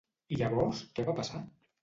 I llavors què va passar?